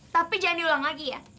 tapi jangan diulang lagi ya